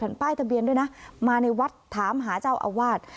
ป้ายทะเบียนด้วยนะมาในวัดถามหาเจ้าอาวาส